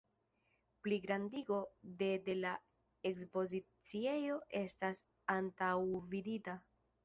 Pligrandigo de de la ekspoziciejo estas antaŭvidita.